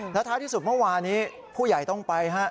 แล้วท้ายที่สุดเมื่อวานี้ผู้ใหญ่ต้องไปฮะ